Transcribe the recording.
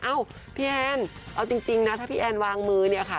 พี่แอนเอาจริงนะถ้าพี่แอนวางมือเนี่ยค่ะ